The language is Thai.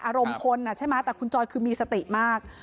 อารมณ์คนใช่ไหมแต่คุณจอยคือมีสติมาก